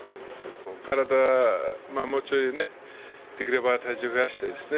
体、もうちょいねできれば体重を増やしてですね